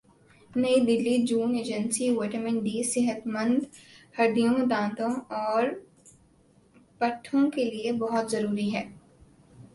نئی دہلی جون agency vitamin D صحت مند ہڈیوں دانتوں اور پٹھوں کے لئے بہت ضروری ہے